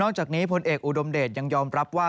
จากนี้พลเอกอุดมเดชยังยอมรับว่า